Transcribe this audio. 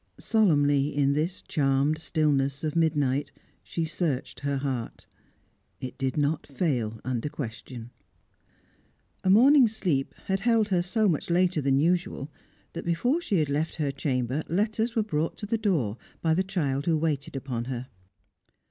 Solemnly in this charmed stillness of midnight, she searched her heart. It did not fail under question. A morning sleep held her so much later than usual that, before she had left her chamber, letters were brought to the door by the child who waited upon her.